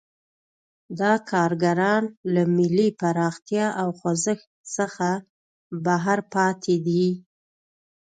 دا کارګران له ملي پراختیا او خوځښت څخه بهر پاتې دي.